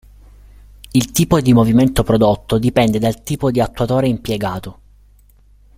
Il tipo di movimento prodotto dipende dal tipo di attuatore impiegato.